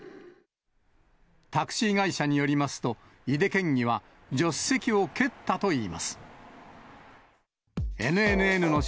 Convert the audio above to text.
タクシー会社によりますと、井手県議は、助手席を蹴ったといいます。